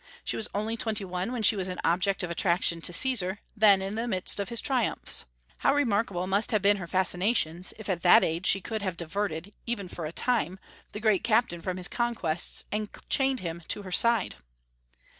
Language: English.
She was only twenty one when she was an object of attraction to Caesar, then in the midst of his triumphs. How remarkable must have been her fascinations if at that age she could have diverted, even for a time, the great captain from his conquests, and chained him to her side!